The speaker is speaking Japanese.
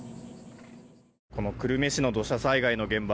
この久留米市の土砂災害の現場